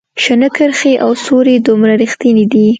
شنه کرښې او سورې دومره ریښتیني دي